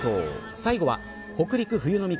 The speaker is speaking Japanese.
最後は北陸冬の味覚